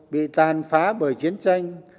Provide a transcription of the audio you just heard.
bị tàn phá bởi chiến tranh